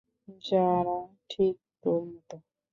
যারা ঠিক তোর মতো।